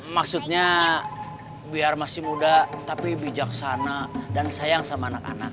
maksudnya biar masih muda tapi bijaksana dan sayang sama anak anak